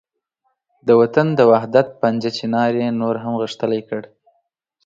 د وطن د وحدت پنجه چنار یې نور هم غښتلې کړ.